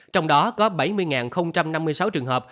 trong đó có bảy mươi năm mươi sáu trường hợp